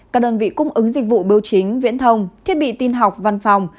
các đơn vị cung ứng dịch vụ biểu chính viễn thông thiết bị tin học văn phòng